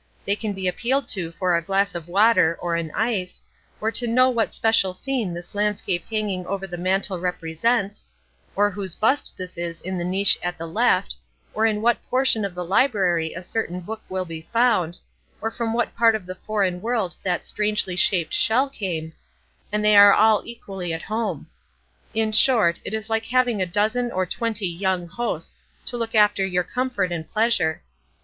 They can be appealed to for a glass of water or an ice, or to know what special scene this landscape hanging over the mantel represents, or whose bust this is in the niche at the left, or in what portion of the library a certain book will be found, or from what part of the foreign world that strangely shaped shell came, and they are all equally at home. In short, it is like having a dozen or twenty young hosts to look after your comfort and pleasure.